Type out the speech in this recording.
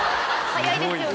早いですよね。